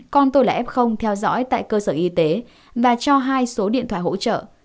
con tôi là f theo dõi tại cơ sở y tế và cho hai số điện thoại hỗ trợ